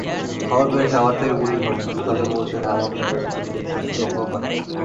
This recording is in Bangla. খবর পেয়ে সাভার থেকে পুলিশ ঘটনাস্থলে পৌঁছে ধাওয়া করে শ্রমিকদের ছত্রভঙ্গ করে।